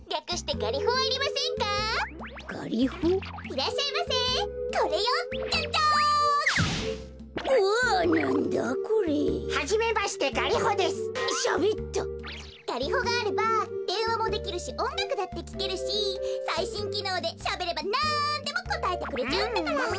ガリホがあればでんわもできるしおんがくだってきけるしさいしんきのうでしゃべればなんでもこたえてくれちゃうんだから！